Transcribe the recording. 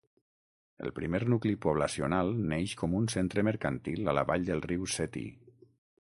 El primer nucli poblacional neix com un centre mercantil a la vall del riu Seti.